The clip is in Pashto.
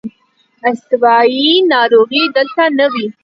استوايي ناروغۍ دلته نه وې.